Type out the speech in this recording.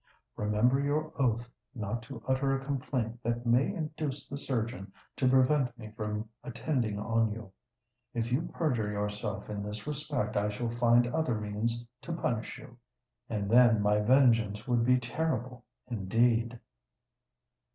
Remember your oath not to utter a complaint that may induce the surgeon to prevent me from attending on you. If you perjure yourself in this respect, I shall find other means to punish you:—and then my vengeance would be terrible indeed!"